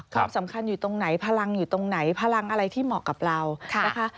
ความสำคัญอยู่ตรงไหนพลังอยู่ตรงไหนพลังอะไรที่เหมาะกับเรานะคะ